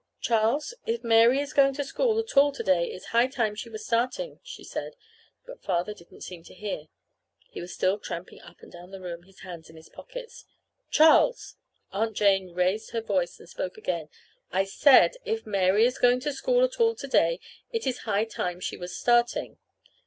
"Charles, if Mary is going to school at all to day it is high time she was starting," she said. But Father didn't seem to hear. He was still tramping up and down the room, his hands in his pockets. "Charles!" Aunt Jane raised her voice and spoke again. "I said if Mary is going to school at all to day it is high time she was starting."